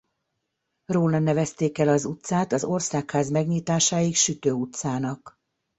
Róla nevezték el az utcát az Országház megnyitásáig Sütő utcának.